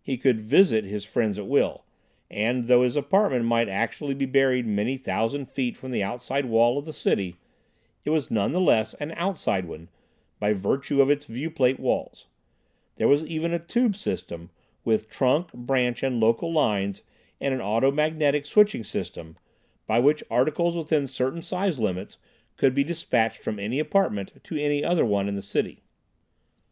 He could "visit" his friends at will, and though his apartment actually might be buried many thousand feet from the outside wall of the city, it was none the less an "outside" one, by virtue of its viewplate walls. There was even a tube system, with trunk, branch and local lines and an automagnetic switching system, by which articles within certain size limits could be despatched from any apartment to any other one in the city.